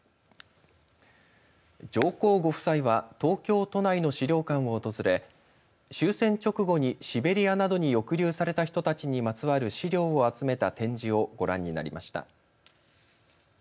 上皇ご夫妻は東京都内の資料館を訪れ終戦直後にシベリアなどに抑留された人たちにまつわる資料を集めた展示をご覧になりました。